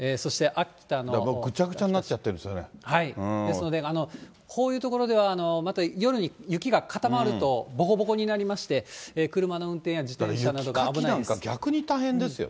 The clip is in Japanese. もうぐちゃぐちゃになっちゃですので、こういう所では、また夜に雪が固まると、ぼこぼこになりまして、車の運転や自転車逆に大変ですよね。